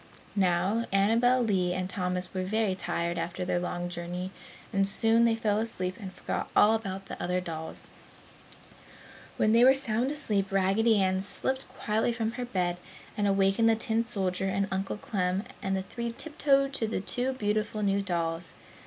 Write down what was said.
Now, Annabel Lee and Thomas were very tired after their long journey and soon they fell asleep and forgot all about the other dolls. When they were sound asleep, Raggedy Ann slipped quietly from her bed and awakened the tin soldier and Uncle Clem and the three tiptoed to the two beautiful new dolls.